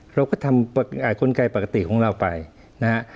เราก็ทำกลไกปกติของเราไปนะฮะ